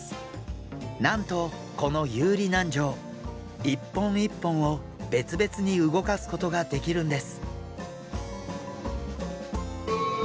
なんとこの遊離軟条１本１本を別々に動かすことができるんです。